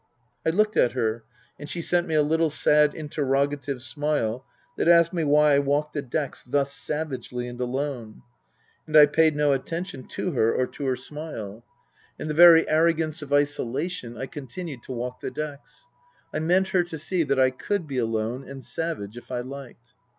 I looked at her, and she sent me a little sad interrogative smile that asked me why I walked the decks thus savagely and alone ? And I paid no attention to her or to her smile. Book III: His Book 283 In the very arrogance of isolation I continued to walk the decks. I meant her to see that I could be alone and savage if I liked.